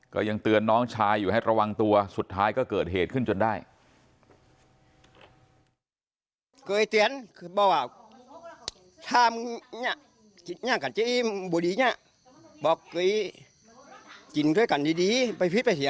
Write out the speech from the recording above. ก็ยังเตือนน้องชายอยู่ให้ระวังตัวสุดท้ายก็เกิดเหตุขึ้นจนได้